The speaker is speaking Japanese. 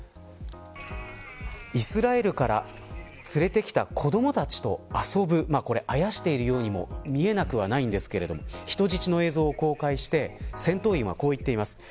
イスラエルから連れてきた子どもたちと遊ぶ、あやしているようにも見えなくはないんですけれども人質の映像を公開して戦闘員はこう言っています。